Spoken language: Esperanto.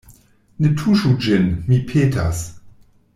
Ne tuŝu ĝin, mi petas.